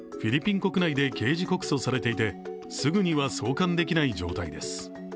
国内で告訴されていてすぐには送還できない状態です。